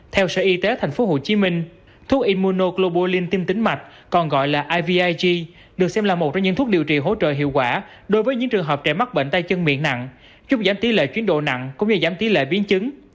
theo sở y tế tp hcm thuốc imuno global linh tim tính mạch còn gọi là ivig được xem là một trong những thuốc điều trị hỗ trợ hiệu quả đối với những trường hợp trẻ mắc bệnh tay chân miệng nặng giúp giảm tỷ lệ chuyến độ nặng cũng như giảm tỷ lệ biến chứng